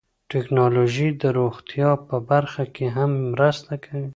ټکنالوژي د روغتیا په برخه کې هم مرسته کوي.